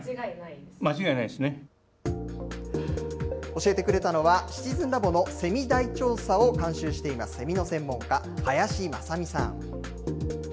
教えてくれたのは、シチズンラボのセミ大調査を監修していますセミの専門家、林正美さん。